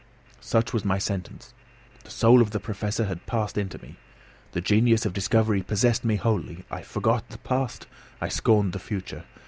Such was my sentence! The soul of the Professor had passed into me. The genius of discovery possessed me wholly. I forgot the past, I scorned the future.